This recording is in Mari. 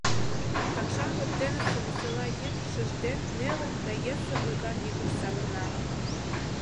Какшан воктенысе весела йӱк шижде неле да йӧсӧ ойган йӱкыш савырна.